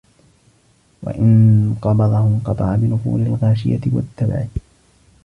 وَإِنْ قَبَضَهُ انْقَطَعَ بِنُفُورِ الْغَاشِيَةِ وَالتَّبَعِ